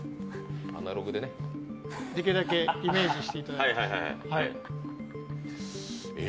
できるだけイメージしていただいて。